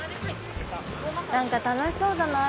何か楽しそうだなぁ